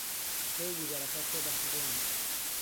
خوێ و بیبەرەکە تێدەپەڕێنیت؟